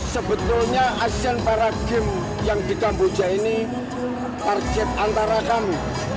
sebetulnya asean para games yang di kamboja ini target antara kami